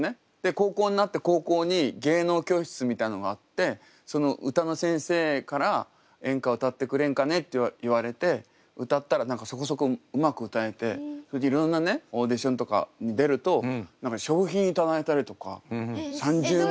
高校になって高校に芸能教室みたいなのがあって歌の先生から「演歌を歌ってくれんかね」と言われて歌ったら何かそこそこうまく歌えてそれでいろんなオーディションとかに出ると賞品頂いたりとか３０。